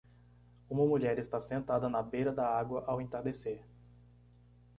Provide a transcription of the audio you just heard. Uma mulher está sentada na beira da água ao entardecer.